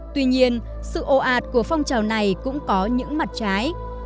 tuy nhiên sự ồ ạt của phong trào này cũng có những mặt trái